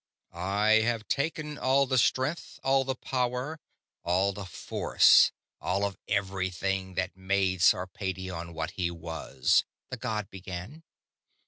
"I have taken all the strength, all the power, all the force, all of everything that made Sarpedion what he was," the god began.